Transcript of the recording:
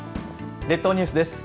列島ニュースです。